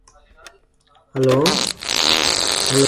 The genus name honors Conrad Gessner.